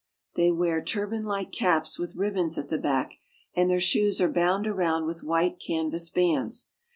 They wear turbanlike caps with ribbons at the back, and their shoes are bound around with white canvas bands.